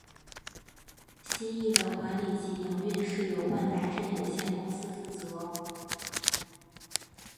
新翼的管理及营运是由万达镇有限公司负责。